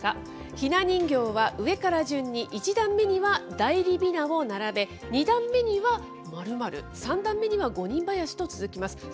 ひな人形は上から順に、１段目には内裏びなを並べ、２段目には○○、３段目には五人ばやしと続きます。